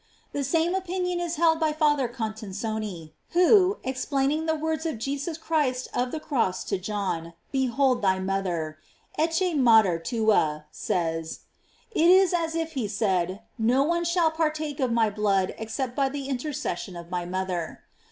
f The same opinion is held by Father Contensone who, explaining the words of Jesus Christ of the cross to John, behold thy mother, "Ecce mater tua," says: It is as if he said, no one shall par take of my blood except by the intercession of my mother.